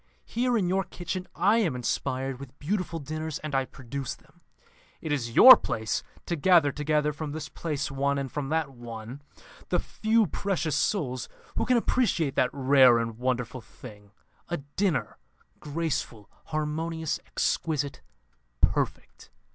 Here, in your kitchen, I am inspired with beautiful dinners, and I produce them. It is your place to gather together, from this place one, and from that, one, the few precious souls who can appreciate that rare and wonderful thing, a dinner, graceful, harmonious, exquisite, perfect.'